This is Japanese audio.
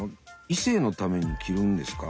異性のために着るんですか？